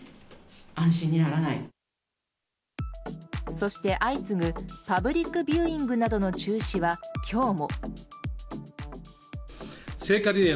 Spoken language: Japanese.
そして、相次ぐパブリックビューイングなどの中止は、今日も。